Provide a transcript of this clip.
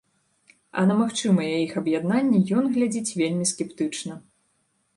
А на магчымае іх аб'яднанне ён глядзіць вельмі скептычна.